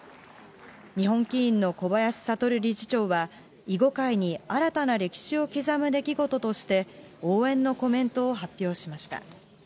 日本棋院の小林覚理事長は、囲碁界に新たな歴史を刻む出来事として、応援のコメントを発表しました。